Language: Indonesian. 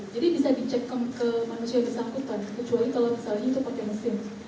jadi bisa dicek ke manusia yang disangkutan kecuali kalau misalnya itu pakai mesin